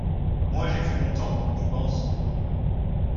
Moi j’ai fait mon temps, tu penses.